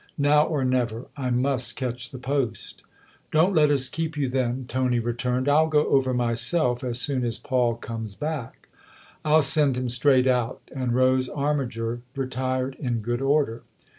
Now or never I must catch the post." " Don't let us keep you, then," Tony returned, " I'll go over myself as soon as Paul comes back." " I'll send him straight out." And Rose Armiger retired in good order.